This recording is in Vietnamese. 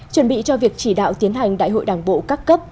chuẩn bị cho việc chỉ đạo tiến hành đại hội đảng bộ các cấp